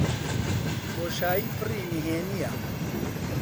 بۆشایی پڕی نهێنییە.